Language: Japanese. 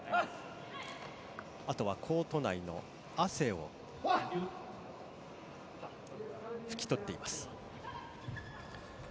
あとはコート内の汗をふき取っています。